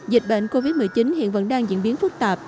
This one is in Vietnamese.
dịch bệnh covid một mươi chín hiện vẫn đang diễn biến phức tạp